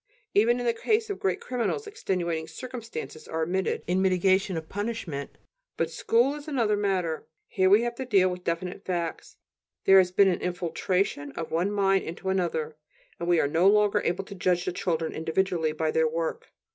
Even in the case of great criminals extenuating circumstances are admitted in mitigation of punishment. But school is another matter; here we have to deal with definite facts: there has been an infiltration of one mind into another, and we are no longer able to judge the children individually by their work.